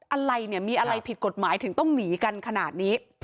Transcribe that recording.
อะไรเนี่ยมีอะไรผิดกฎหมายถึงต้องหนีกันขนาดนี้